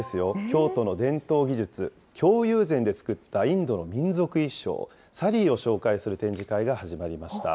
京都の伝統技術、京友禅で作ったインドの民族衣装、サリーを紹介する展示会が始まりました。